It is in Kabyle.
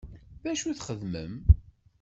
U d acu i txeddmem?